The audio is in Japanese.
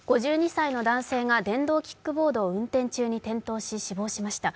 ５２歳の男性が電動キックボードを運転中に転倒し死亡しました。